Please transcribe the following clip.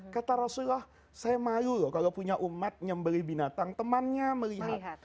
kata rasulullah saya malu loh kalau punya umat nyembeli binatang temannya melihat